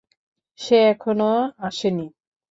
সে এখনও আসে নি।